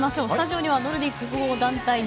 スタジオにはノルディック複合団体